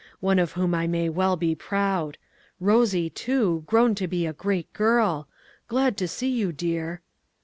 one of whom I may well be proud. Rosie, too, grown to a great girl! Glad to see you, dear."